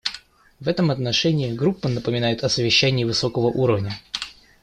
В этом отношении Группа напоминает о совещании высокого уровня.